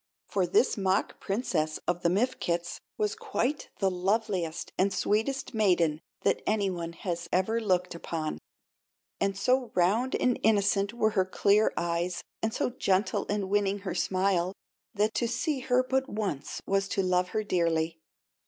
For this mock Princess of the Mifkets was quite the loveliest and sweetest maiden that any one has ever looked upon; and so round and innocent were her clear eyes and so gentle and winning her smile, that to see her but once was to love her dearly.